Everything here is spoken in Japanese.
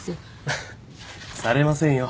フッされませんよ。